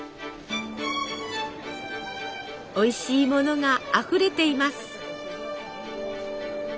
おいしい物があふれています。